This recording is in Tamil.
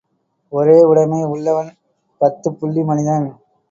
ஒரே உடைமை உள்ளவன் பத்துப்புள்ளி மனிதன்.